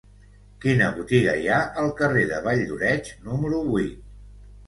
Quina botiga hi ha al carrer de Valldoreix número vuit?